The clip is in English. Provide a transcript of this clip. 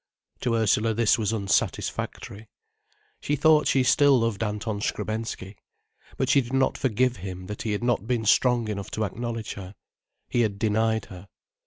To Ursula this was unsatisfactory. She thought she still loved Anton Skrebensky. But she did not forgive him that he had not been strong enough to acknowledge her. He had denied her.